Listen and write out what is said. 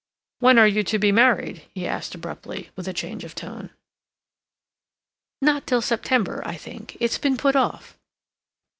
"When are you to be married?" he asked abruptly, with a change of tone. "Not till September, I think. It's been put off."